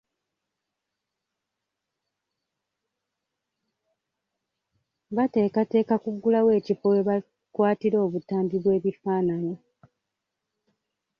Bateekateeka kuggulawo ekifo we bakwatira obutambi bw'ebifaananyi.